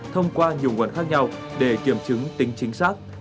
thông qua nhiều nguồn khác nhau để kiểm chứng tính chính xác